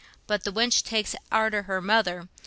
"But the wench takes arter her mother.